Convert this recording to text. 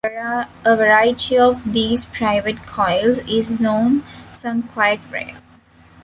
A variety of these "private coils" is known, some quite rare.